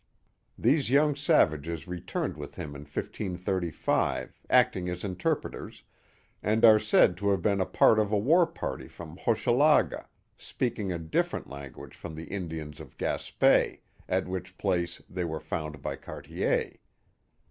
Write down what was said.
These young savages returned with him in 1535, acting as interpreters, and are said to have been a part of a war party from Hochelaga, speaking a different language from the Indians of Gaspe, at which place they were found by Cartier.